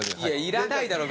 いらないだろ！